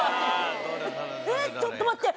えぇちょっと待って！